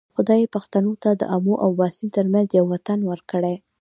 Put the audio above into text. خدای پښتنو ته د آمو او باسین ترمنځ یو وطن ورکړی.